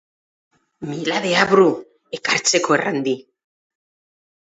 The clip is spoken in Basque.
Mila deabru, ekartzeko erran di...